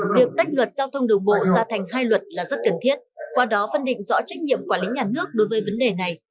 việc tách luật giao thông đường bộ ra thành hai luật là rất cần thiết qua đó phân định rõ trách nhiệm quản lý nhà nước đối với vấn đề này